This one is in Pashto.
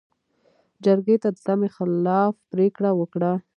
جرګې د تمې خلاف پرېکړه وکړه.